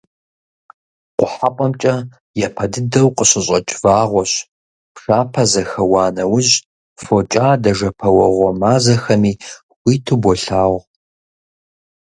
КъухьэпӀэмкӀэ япэ дыдэу къыщыщӀэкӀ вагъуэщ, пшапэ зэхэуа нэужь, фокӀадэ-жэпуэгъуэ мазэхэми хуиту болъагъу.